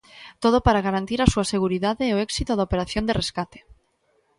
Todo para garantir a súa seguridade e o éxito da operación de rescate.